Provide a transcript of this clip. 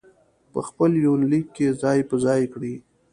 په خپل يونليک کې ځاى په ځاى کړي